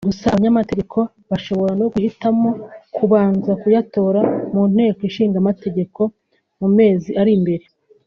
gusa abanyamategeko bashobora no guhitamo kubanza kuyatora mu Nteko Ishinga Amategeko mu mezi ari imbere